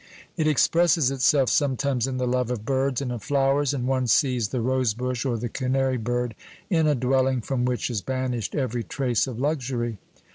It expresses itself sometimes in the love of birds and of flowers, and one sees the rosebush or the canary bird in a dwelling from which is banished every trace of luxury.